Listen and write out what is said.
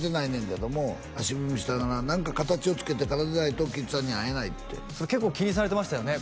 けども足踏みしたら何か形をつけてからじゃないと貴一さんに会えないって結構気にされてましたよね？